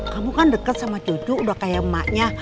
kamu kan deket sama cucu udah kayak maknya